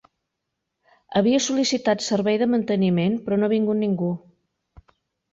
Havia sol·licitat servei de manteniment, però no ha vingut ningú.